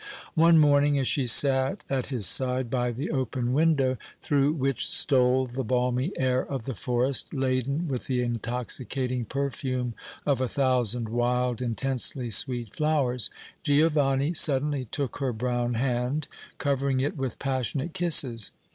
One morning as she sat at his side by the open window, through which stole the balmy air of the forest laden with the intoxicating perfume of a thousand wild, intensely sweet flowers, Giovanni suddenly took her brown hand, covering it with passionate kisses.